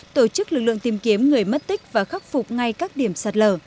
tổ chức lực lượng tìm kiếm người mất tích và khắc phục ngay các điểm sạt lở